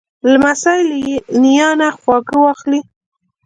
لمسی له نیا نه خواږه واخلې.